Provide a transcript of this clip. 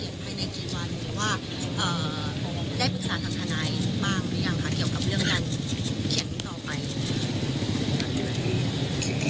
หรือว่าเอ่อได้ปรึกษาทางทนายมากหรือยังค่ะเกี่ยวกับเรื่องนั้น